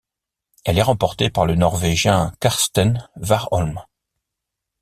Elle est remportée par le Norvégien Karsten Warholm.